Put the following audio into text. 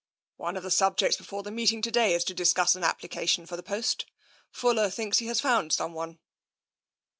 " One of the subjects before the meeting to day is to discuss an application for the post. Fuller thinks he has found some one."